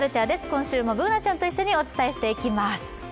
今週もＢｏｏｎａちゃんと一緒にお伝えしていきます。